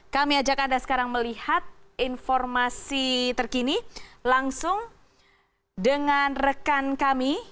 kami ajak anda sekarang melihat informasi terkini langsung dengan rekan kami